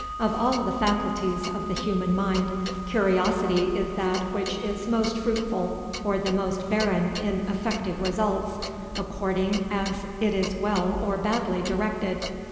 Of all the faculties of the human mind, curiosity is that which is most fruitful or the most barren in effective results, according as it is well or badly directed.